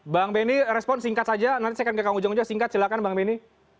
bang benny respon singkat saja nanti saya akan ke kang ujang ujang singkat silakan bang benny